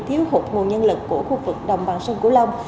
thiếu hụt nguồn nhân lực của khu vực đồng bằng sông cửu long